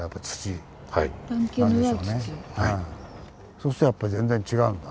そうするとやっぱ全然違うんだ？